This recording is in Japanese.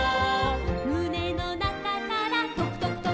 「むねのなかからとくとくとく」